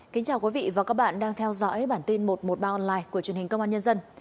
kính chào quý vị và các bạn đang theo dõi bản tin một trăm một mươi ba online của truyền hình công an nhân dân